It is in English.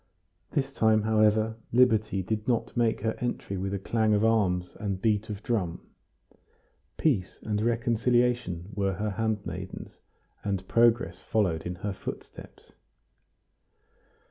This time, however, liberty did not make her entry with clang of arms and beat of drum, peace and reconciliation were her handmaidens, and progress followed in her footsteps.